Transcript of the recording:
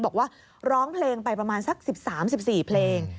บอกว่าร้องเพลงไปประมาณสัก๑๓๑๔เพลง